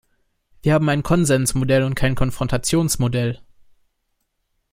Wir haben ein Konsensmodell und kein Konfrontationsmodell.